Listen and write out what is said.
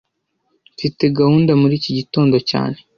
Mfite gahunda muri iki gitondo cyane